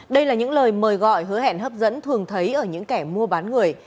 đây là những lời mời gọi hứa hẹn hấp dẫn thường thấy ở những kẻ mua bán người